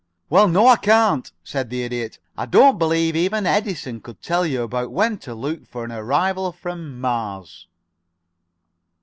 "Well no, I can't," said the Idiot. "I don't believe even Edison could tell you about when to look for arrivals from Mars."